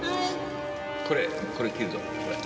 これこれ切るぞこれ。